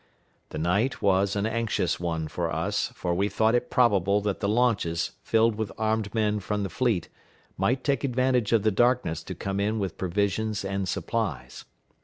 The night was an anxious one for us, for we thought it probable that the launches, filled with armed men from the fleet, might take advantage of the darkness to come in with provisions and supplies.